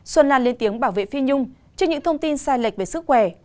xuân an lên tiếng bảo vệ phi nhung trước những thông tin sai lệch về sức khỏe